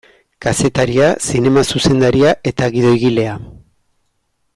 Kazetaria, zinema zuzendaria eta gidoigilea.